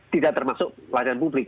tidak termasuk pelayanan publik